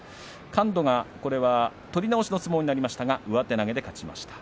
菅野が取り直しの相撲になりましたが上手投げで勝ちました。